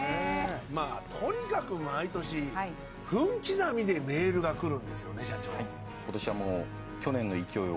まぁとにかく毎年分刻みでメールが来るんですよね社長。